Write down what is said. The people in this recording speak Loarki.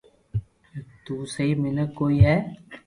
تو سھي مينک ڪوئي ھي